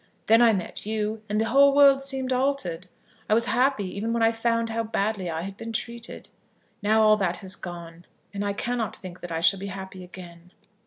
Then I met you, and the whole world seemed altered. I was happy even when I found how badly I had been treated. Now all that has gone, and I cannot think that I shall be happy again."